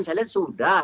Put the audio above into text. saya lihat sudah